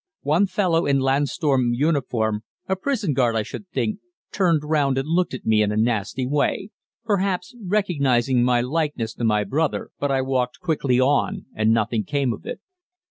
One fellow, in Landsturm uniform, a prison guard I should think, turned round and looked at me in a nasty way, perhaps recognizing my likeness to my brother, but I walked quickly on and nothing came of it.